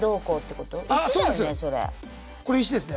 これ石ですね。